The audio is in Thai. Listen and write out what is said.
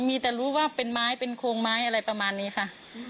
มีแต่รู้ว่าเป็นไม้เป็นโครงไม้อะไรประมาณนี้ค่ะ